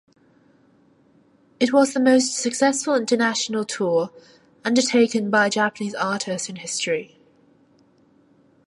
It was the most successful international tour undertaken by a Japanese artist in history.